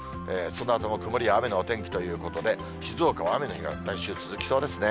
そのあとも曇りや雨のお天気ということで、静岡は雨の日が来週、続きそうですね。